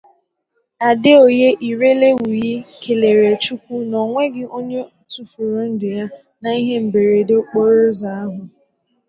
Adeoye Irelewuyi kelere Chukwu na o nweghị onye tụfuru ndụ ya n'ihe mberede okporoụzọ ahụ